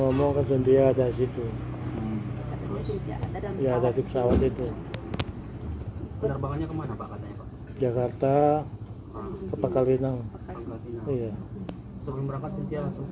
sebelum berangkat sintia sempat telepon atau